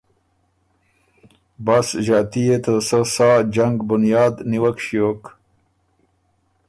بس ݫاتي يې ته سۀ سا جنګ بنیاد نیوک ݭیوک